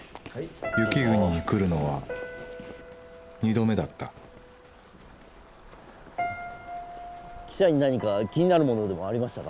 雪国に来るのは２度目だった汽車に何か気になるものでもありましたか？